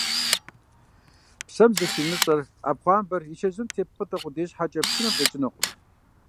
Псэм зыхимыщӀэр, Ӏэпхъуамбэр и чэзум теппӀытӀэ къудей щхьэкӀэ, пшынэм къикӀынукъым.